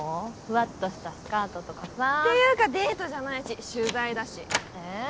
フワッとしたスカートとかさていうかデートじゃないし取材だしえっ